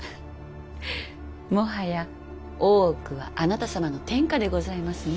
もはや大奥はあなた様の天下でございますね。